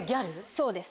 そうです。